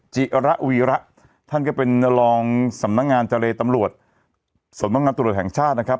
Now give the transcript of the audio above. จิระวีระท่านก็เป็นรองสำนักงานเจรตำรวจสำนักงานตรวจแห่งชาตินะครับ